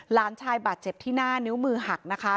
หลานชายบาดเจ็บที่หน้านิ้วมือหักนะคะ